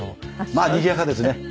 まあにぎやかですね。